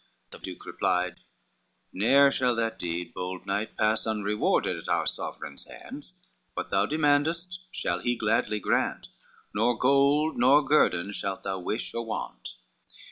'" The duke replied, "Ne'er shall that deed, bold knight, Pass unrewarded at our sovereign's hands, What thou demandest shall he gladly grant, Nor gold nor guerdon shalt thou wish or want.